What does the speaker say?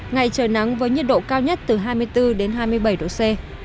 ngày trời nắng với nhiệt độ cao nhất từ hai mươi bốn đến hai mươi bảy độ c